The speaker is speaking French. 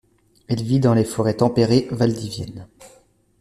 Elle vit dans les forêts tempérées valdiviennes.